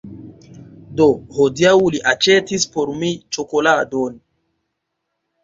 Do, hodiaŭ li aĉetis por mi ĉokoladon